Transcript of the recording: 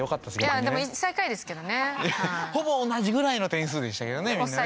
本当ほぼ同じぐらいの点数でしたけどねみんな。